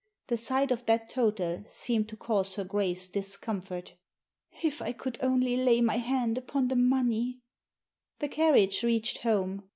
The sight of that total seemed to cause her Grace discomfort. "If I could only lay my hand upon the money I " The carriage reached home.